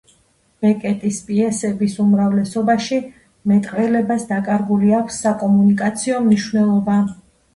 ბეკეტის პიესების უმრავლესობაში მეტყველებას დაკარგული აქვს საკომუნიკაციო მნიშვნელობა.